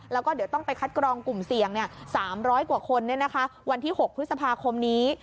แล้วก็เดี๋ยวต้องไปคัดกรองกลุ่มเสี่ยง๓๐๐กว่าคนวันที่๖พฤษภาคมนี้